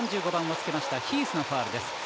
３５番をつけましたヒースのファウル。